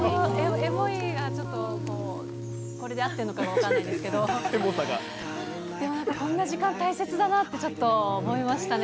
エモい、これで合ってるのかも分からないんですけど、でもなんか、こんな時間大切だなって、ちょっと思いましたね。